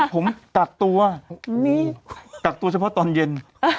ผมกักตัวกักตัวเฉพาะตอนเย็น